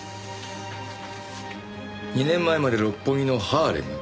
２年前まで六本木のハーレム。